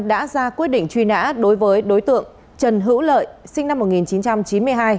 đã ra quyết định truy nã đối với đối tượng trần hữu lợi sinh năm một nghìn chín trăm chín mươi hai